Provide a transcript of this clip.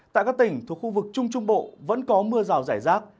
tại các tỉnh thuộc khu vực trung trung bộ vẫn có mưa rào rải rác